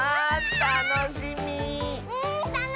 たのしみ！